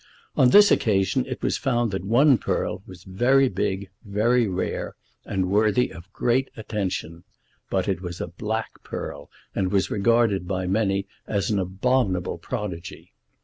On this occasion it was found that one pearl was very big, very rare, and worthy of great attention; but it was a black pearl, and was regarded by many as an abominable prodigy.